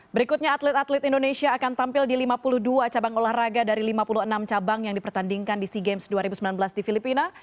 berikutnya atlet atlet indonesia akan tampil di lima puluh dua cabang olahraga dari lima puluh enam cabang yang dipertandingkan di sea games dua ribu sembilan belas di filipina